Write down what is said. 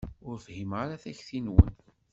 Ur fhimeɣ ara takti-nwen.